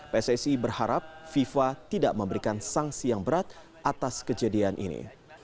pssi berharap fifa tidak memberikan sanksi yang berat atas kejadian ini